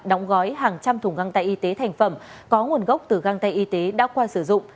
đóng gói hàng trăm thùng găng tay y tế thành phẩm có nguồn gốc từ găng tay y tế đã qua sử dụng